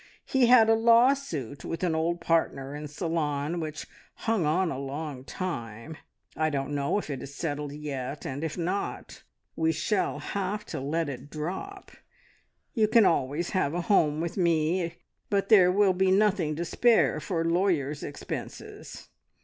He had a lawsuit with an old partner in Ceylon, which hung on a long time. I don't know if it is settled yet; and, if not, we shall have to let it drop. You can always have a home with me; but there will be nothing to spare for lawyers' expenses.